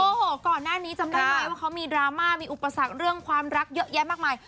โอ้โหก่อนหน้านี้จำได้ไหมว่าเขามีดราม่ามีอุปสรรคเรื่องความรักเยอะแยะมากมาย